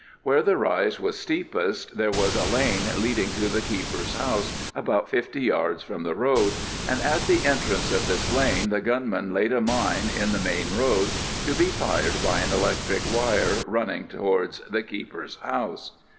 Where the rise was steepest, there was a lane leading to the keeper's house, about fifty yards from the road, and at the entrance of this lane the gunmen laid a mine in the main road to be fired by an electric wire running towards the keeper's house.